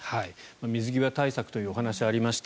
水際対策というお話がありました。